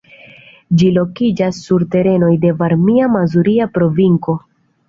Ĝi lokiĝas sur terenoj de Varmia-Mazuria Provinco.